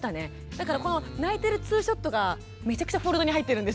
だからこの泣いてるツーショットがめちゃくちゃフォルダーに入ってるんです私の。